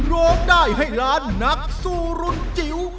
ร้องได้ให้ล้านนักสู้รุ่นจิ๋ว